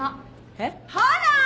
えっ？ほら！